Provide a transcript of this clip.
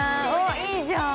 ◆いいじゃん。